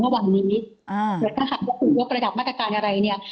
หรือว่าค่ะถูกว่าประดับมาตรการอะไรเนี่ย